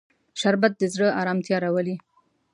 شربت د زړه ارامتیا راولي